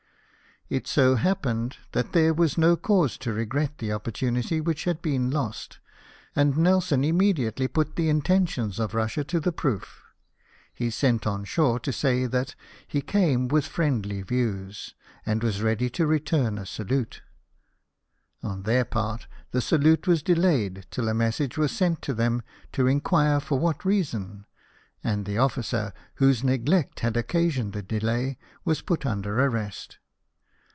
It so happened that there was no cause to regret the opportunity which had been lost, and Nelson immedi ately put the intentions of Russia to the proof He sent on shore, to say that he came with friendly views, and was ready to return a salute. On their part the salute was delayed, till a message was sent to them to inquire for what reason ; and the officer, whose neglect had occasioned the delay, was put under arrest.